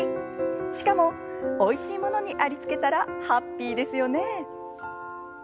しかも、おいしいものにありつけたらハッピーですよね。